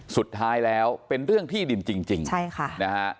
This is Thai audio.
สุดท้ายแล้วเป็นเรื่องที่ดินจริงใช่ค่ะนะฮะ